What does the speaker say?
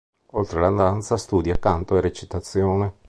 Oltre alla danza, studia canto e recitazione.